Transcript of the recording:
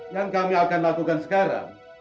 yang kami akan lakukan sekarang